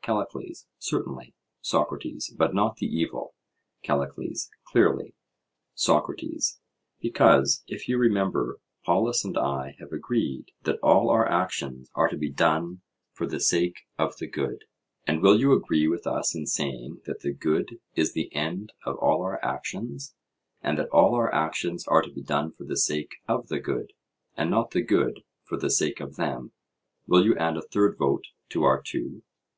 CALLICLES: Certainly. SOCRATES: But not the evil? CALLICLES: Clearly. SOCRATES: Because, if you remember, Polus and I have agreed that all our actions are to be done for the sake of the good;—and will you agree with us in saying, that the good is the end of all our actions, and that all our actions are to be done for the sake of the good, and not the good for the sake of them?—will you add a third vote to our two?